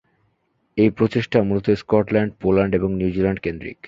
এই প্রচেষ্টা মূলত স্কটল্যান্ড, পোল্যান্ড এবং নিউজিল্যান্ড কেন্দ্রিক।